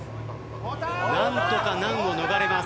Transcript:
何とか難を逃れます。